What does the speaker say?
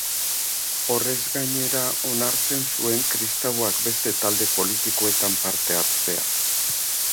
Horrez gainera, onartzen zuen kristauak beste talde politikoetan parte hartzea.